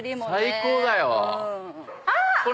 最高だよ。